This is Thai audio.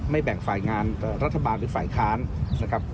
แบ่งฝ่ายงานรัฐบาลหรือฝ่ายค้านนะครับ